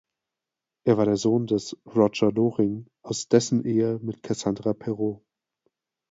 Er war der Sohn des Roger Loring aus dessen Ehe mit Cassandra Perot.